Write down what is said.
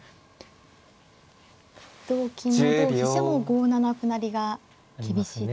同金も同飛車も５七歩成が厳しいですか。